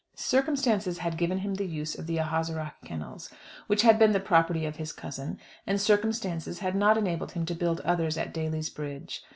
Circumstances had given him the use of the Ahaseragh kennels, which had been the property of his cousin, and circumstances had not enabled him to build others at Daly's Bridge.